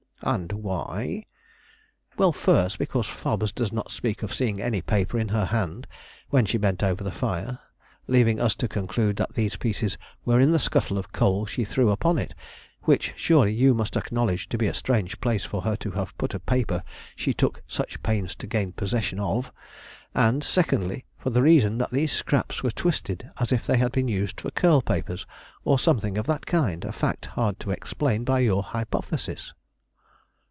"And why?" "Well, first, because Fobbs does not speak of seeing any paper in her hand, when she bent over the fire; leaving us to conclude that these pieces were in the scuttle of coal she threw upon it; which surely you must acknowledge to be a strange place for her to have put a paper she took such pains to gain possession of; and, secondly, for the reason that these scraps were twisted as if they had been used for curl papers, or something of that kind; a fact hard to explain by your hypothesis."